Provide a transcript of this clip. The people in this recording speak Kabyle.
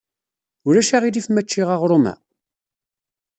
Ulac aɣilif ma cciɣ aɣrum-a?